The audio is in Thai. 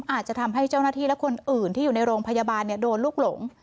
อาจจะทำให้เจ้าหน้าที่และคนอื่นที่อยู่ในโรงพยาบาลโดนลูกหลง